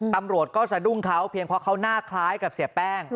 ตำรวจก็สะดุ้งเขาเพียงเพราะเขาหน้าคล้ายกับเสียแป้ง